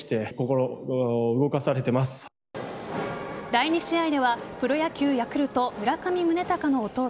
第２試合ではプロ野球、ヤクルト村上宗隆の弟